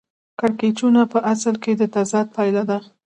کړکېچونه په اصل کې د تضاد پایله ده